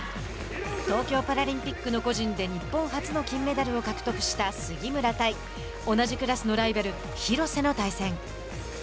東京パラリンピックの個人で日本初の金メダルを獲得した杉村対同じクラスのライバル廣瀬の対戦。